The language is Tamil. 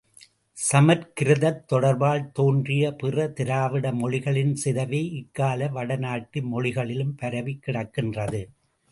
சமற்கிருதத் தொடர்பால் தோன்றிய பிற திரவிட மொழிகளின் சிதைவே இக்கால வடநாட்டு மொழிகளிலும் பரவிக் கிடக்கின்றது.